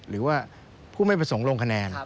หรือว่าผู้ไม่ประสงค์ลงคะแนน